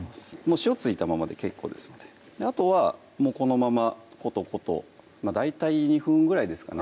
塩付いたままで結構ですのであとはこのままことこと大体２分ぐらいですかね